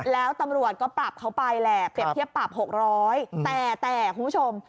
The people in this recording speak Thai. แล้วตำรวจก็ปรับเขาไปแหละเปรียบเทียบปรับ๖๐๐แต่แต่คุณผู้ชม